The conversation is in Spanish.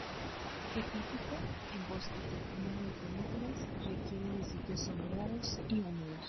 Epífita, en bosques de pino y coníferas, requiere de sitios sombreados y húmedos.